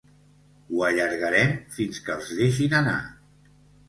Ho allargarem fins que els deixin anar.